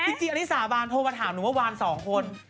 พี่จี้อันนี้สาบานโทรมาถามหนูว่าวานสองคน